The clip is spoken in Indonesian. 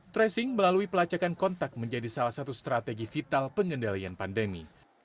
tracing melalui pelacakan kontak menjadi salah satu strategi vital pengendalian pandemi